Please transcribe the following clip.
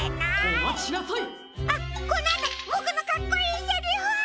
あっこのあと！ボクのかっこいいセリフ！